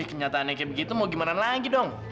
kenyataannya kayak begitu mau gimana lagi dong